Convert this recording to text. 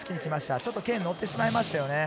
ちょっと剣、のってしまいましたね。